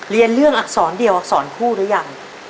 เรียนเรื่องอักษรเดียวอักษรคู่หรือยัง